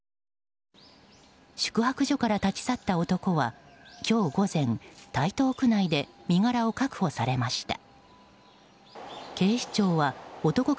宿泊所から立ち去った男は今日午前、台東区内で身柄を確保されました。